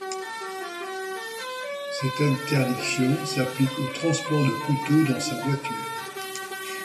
Cette interdiction s'applique au transport de couteaux dans sa voiture.